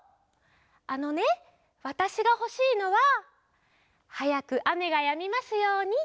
あのねわたしがほしいのは「はやくあめがやみますように」っておねがいする